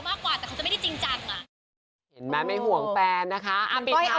เราก็รู้สึกว่าเราให้เกลียดเขาแล้วเขาก็ให้เกลียดเรา